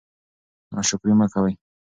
ناشکري مه کوئ.